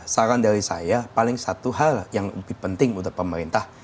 saran dari saya paling satu hal yang lebih penting untuk pemerintah